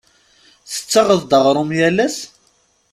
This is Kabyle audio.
Tettaɣeḍ-d aɣrum yal ass?